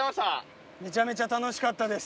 めちゃめちゃ楽しかったです。